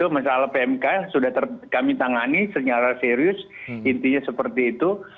masalah pmk sudah kami tangani secara serius intinya seperti itu